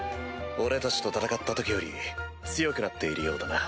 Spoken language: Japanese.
俺たちと戦った時より強くなっているようだな。